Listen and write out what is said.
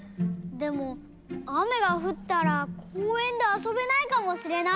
でもあめがふったらこうえんであそべないかもしれない。